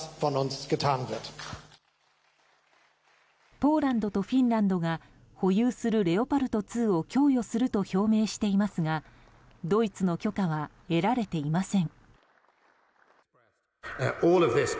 ポーランドとフィンランドが保有するレオパルト２を供与すると表明していますがドイツの許可は得られていません。